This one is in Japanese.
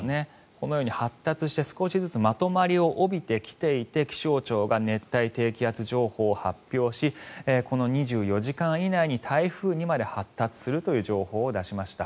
このように発達して少しずつまとまりを帯びてきていて気象庁が熱帯低気圧情報を発表しこの２４時間以内に台風にまで発達するという情報を出しました。